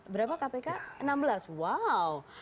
berapa kpk enam belas wow